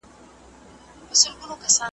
که صبر نه وي سياسي ټکرونه نه حل کېږي.